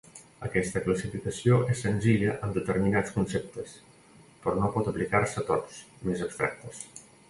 Aquesta classificació és senzilla amb determinats conceptes, però no pot aplicar-se a tots, més abstractes.